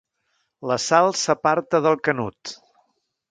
La Sal s'aparta del Canut.